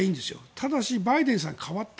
ただしバイデンさん代わった。